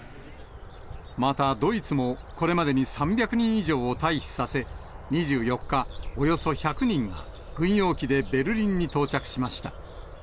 またドイツも、これまでに３００人以上を退避させ、２４日、およそ１００人が、軍用機でベルリンに到着しました。